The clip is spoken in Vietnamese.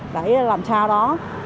để làm sao đó